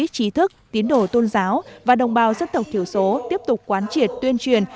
trí thức tín đồ tôn giáo và đồng bào dân tộc thiểu số tiếp tục quán triệt tuyên truyền